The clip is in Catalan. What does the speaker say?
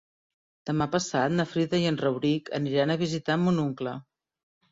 Demà passat na Frida i en Rauric aniran a visitar mon oncle.